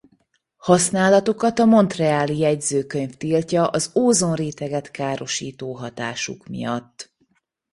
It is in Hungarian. Használatukat a montréali jegyzőkönyv tiltja az ózonréteget károsító hatásuk miatt.